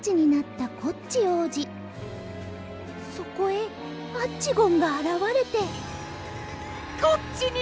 そこへアッチゴンがあらわれてこっちにくるな！